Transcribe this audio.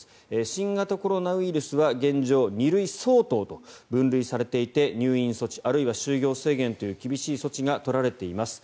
新型コロナウイルスは現状、２類相当と分類されていて入院措置あるいは就業制限という厳しい措置が取られています。